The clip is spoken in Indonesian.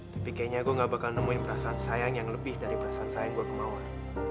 tapi kayaknya gue gak bakal nemuin perasaan sayang yang lebih dari perasaan sayang gue ke mawar